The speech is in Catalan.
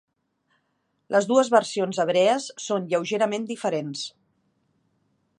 Les dues versions hebrees són lleugerament diferents.